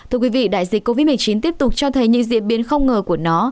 thưa quý vị đại dịch covid một mươi chín tiếp tục cho thấy những diễn biến không ngờ của nó